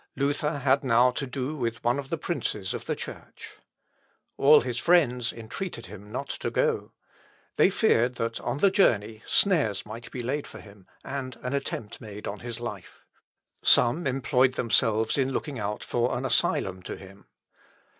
Luther had now to do with one of the princes of the Church. All his friends entreated him not to go. They feared that on the journey snares might be laid for him, and an attempt made on his life. Some employed themselves in looking out for an asylum to him.